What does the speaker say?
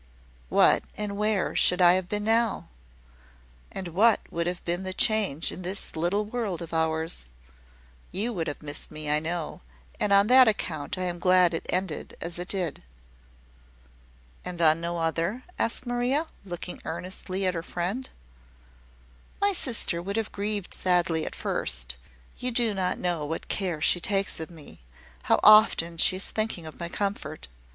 "What, and where, should I have been now? And what would have been the change in this little world of ours? You would have missed me, I know; and on that account I am glad it ended as it did." "And on no other?" asked Maria, looking earnestly at her friend. "My sister would have grieved sadly at first you do not know what care she takes of me how often she is thinking of my comfort.